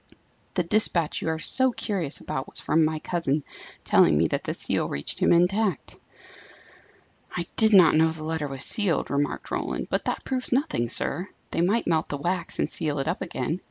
The despatch you are so curious about was from my cousin, telling me that the seal reached him intact." "I did not know the letter was sealed," remarked Roland. "But that proves nothing, sir. They might melt the wax, and seal it up again.